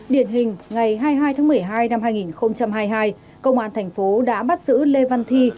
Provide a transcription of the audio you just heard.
điển hình ngày hai mươi hai tháng một mươi hai năm hai nghìn hai mươi hai công an thành phố đã bắt giữ lê văn thi